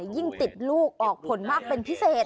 ยิ่งติดลูกออกผลมากเป็นพิเศษ